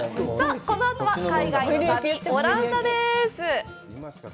このあとは海外の旅、オランダです。